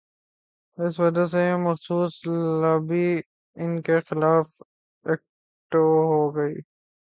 اس وجہ سے یہ مخصوص لابی ان کے خلاف ایکٹو ہو گئی۔